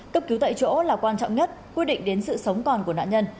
cấp cứu tại chỗ là quan trọng nhất quyết định đến sự sống còn của nạn nhân